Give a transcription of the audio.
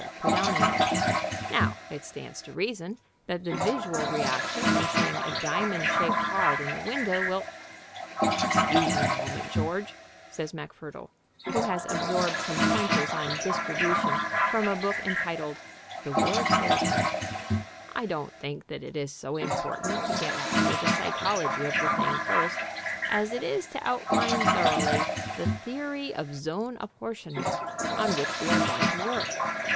predominate. Now, it stands to reason that the visual reaction from seeing a diamond shaped card in the window will...." [Illustration: "The problem as I see it is this."] "Excuse me a moment, George," says MacFurdle, who has absorbed some pointers on Distribution from a book entitled "The World Salesman," "I don't think that it is so important to get after the psychology of the thing first as it is to outline thoroughly the Theory of Zone Apportionment on which we are going to work.